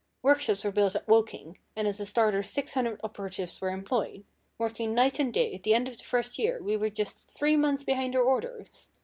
Workshops were built at Woking, and as a starter 600 operatives were employed. Working night and day, at the end of the first year we were just three months behind our orders.